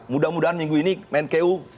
mudah mudahan minggu ini menkeu